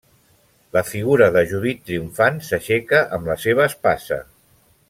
La figura de Judit triomfant s'aixeca amb la seva espasa.